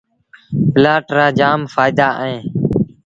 پلآٽ رآ جآم ڦآئيدآ اهيݩ۔